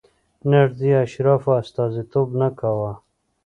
نږدې اشرافو استازیتوب نه کاوه.